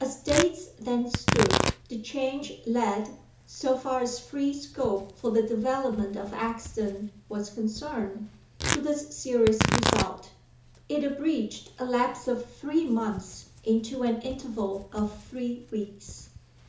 As dates then stood, the change led (so far as free scope for the development of accident was concerned) to this serious result. It abridged a lapse of three months into an interval of three weeks.